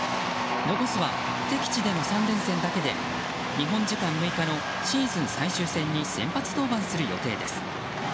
残すは敵地での３連戦だけで日本時間６日のシーズン最終戦に先発登板する予定です。